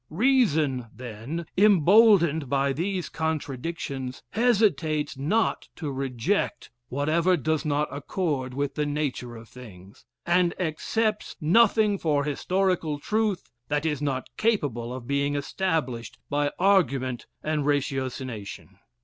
Reason, then, emboldened by these contradictions, hesitates not to reject whatever does not accord with the nature of things, and accepts nothing for historical truth that is not capable of being established by argument and ratiocination.